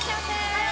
はい！